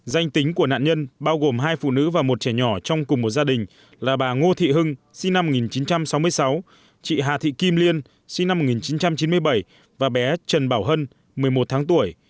danh tính của nạn nhân bao gồm hai phụ nữ và một trẻ nhỏ trong cùng một gia đình là bà ngô thị hưng sinh năm một nghìn chín trăm sáu mươi sáu chị hà thị kim liên sinh năm một nghìn chín trăm chín mươi bảy và bé trần bảo hân một mươi một tháng tuổi